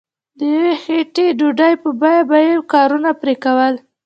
د یوې خیټې ډوډۍ په بیه به یې کارونه پرې کول.